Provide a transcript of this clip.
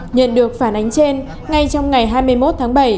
nhận được phản ánh trên ngay trong ngày hai mươi một tháng bảy